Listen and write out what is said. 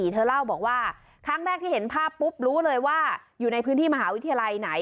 เธอเล่าบอกว่าครั้งแรกที่เห็นภาพปุ๊บรู้เลยว่าอยู่ในพื้นที่มหาวิทยาลัยไหน